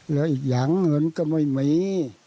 แล้วอีกหลังเงินก็ไม่มี